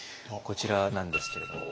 こちらなんですけれど。